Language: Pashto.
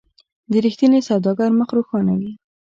د رښتیني سوداګر مخ روښانه وي.